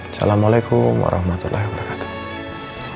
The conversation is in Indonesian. assalamualaikum warahmatullahi wabarakatuh